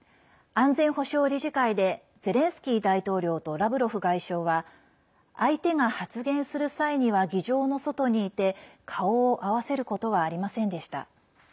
安全保障理事会でゼレンスキー大統領とラブロフ外相は相手が発言する際には議場の外にいて顔を合わせることはありませんでした。